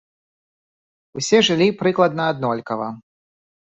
Усе жылі прыкладна аднолькава.